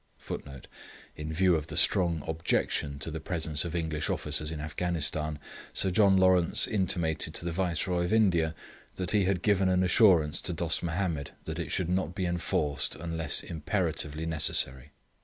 [Footnote: In view of the strong objection to the presence of English officers in Afghanistan, Sir John Lawrence intimated to the Viceroy of India that he had given an assurance to Dost Mahomed that it should not be enforced unless imperatively necessary.